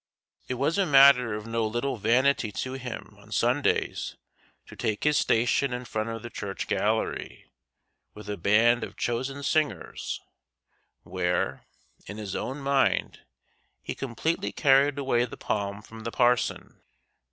It was a matter of no little vanity to him on Sundays to take his station in front of the church gallery with a band of chosen singers, where, in his own mind, he completely carried away the palm from the parson.